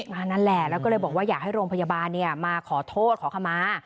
นั่นแหละแล้วก็เลยบอกว่าอยากให้โรงพยาบาลมาขอโทษขอขมา